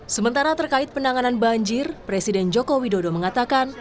sementara terkait penanganan banjir presiden joko widodo mengatakan